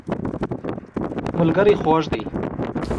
ملګری خوږ دی.